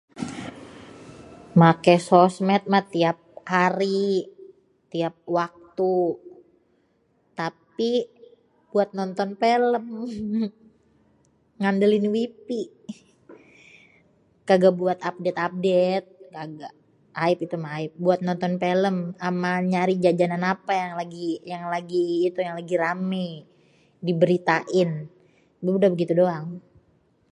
make sosmed mah tiap hari, tiap waktu. tapi buat nonton pelém. ngandelin wipi. kagak buat update-update kagak. aib itu mah aib. buat nonton pelém. ama buat nyari jajanan ape yang lagi rame diberitain.. udah begitu doang.